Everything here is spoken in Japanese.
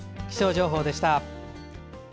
気象情報でした。